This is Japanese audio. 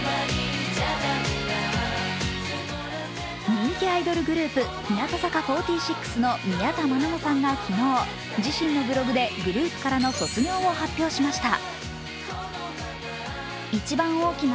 人気アイドルグループ・日向坂４６の宮田愛萌さんが昨日、自身のブログでグループからの卒業を発表しました。